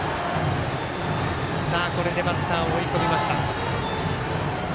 これでバッター追い込みました。